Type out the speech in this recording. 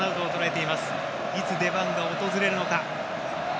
いつ、出番が訪れるのか。